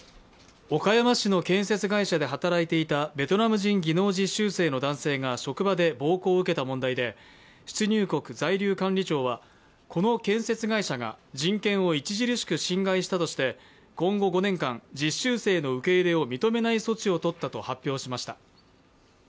岡山市の建設会社で働いていたベトナム人技能実習生の男性が職場で暴行を受けた問題で出入国在留管理庁はこの建設会社が人権を著しく侵害したとして今後５年間、実習生の受け入れを認めない措置を取ったと発表しました。